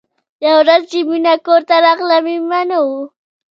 یوه ورځ چې مینه کور ته راغله مېلمانه وو